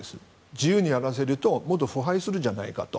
自由にやらせるともっと腐敗するじゃないかと。